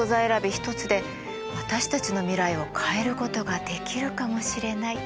ひとつで私たちの未来を変えることができるかもしれない。